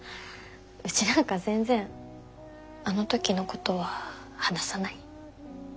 うちなんか全然あの時のことは話さない。